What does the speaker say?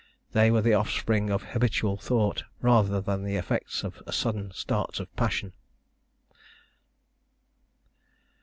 They were the offspring of habitual thought rather than the effect of sudden starts of passion.